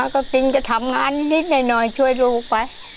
กินก็ทำงานนิดหน่อยช่วยลูกไว้